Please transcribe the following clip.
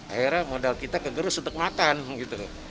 akhirnya modal kita kegerus untuk makan gitu loh